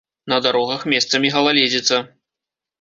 На дарогах месцамі галаледзіца.